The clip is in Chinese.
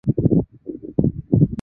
尾鳍及尾柄部有蓝色斑纹。